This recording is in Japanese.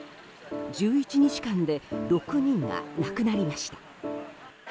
１１日間で６人が亡くなりました。